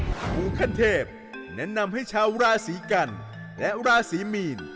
หมูขั้นเทพแนะนำให้ชาวราศีกันและราศีมีน